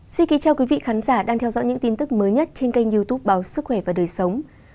xin kính chào quý vị khán giả đang theo dõi những tin tức mới nhất trên kênh youtube báo sức khỏe và đời sống